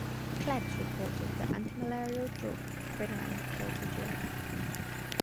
Klebs reported that antimalarial drug quinine killed the germ.